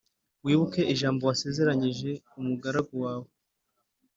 Wibuke ijambo wasezeranije umugaragu wawe